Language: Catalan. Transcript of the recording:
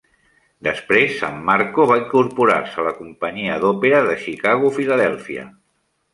Després, Sammarco va incorporar-se a la companyia d'òpera de Chicago-Philadelphia.